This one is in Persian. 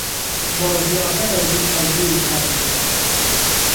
با ضیافت از او تجلیل کردند.